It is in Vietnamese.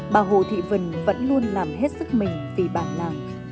bà hồ thị vân vẫn luôn làm hết sức mình vì bản làng